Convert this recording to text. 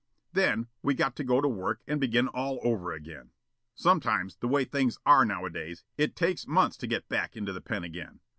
Then we got to go to work and begin all over again. Sometimes, the way things are nowadays, it takes months to get back into the pen again.